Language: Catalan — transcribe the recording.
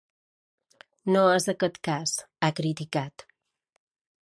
No és aquest cas, ha criticat.